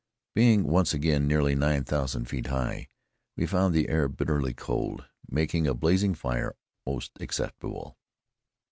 Being once again nearly nine thousand feet high, we found the air bitterly cold, making a blazing fire most acceptable.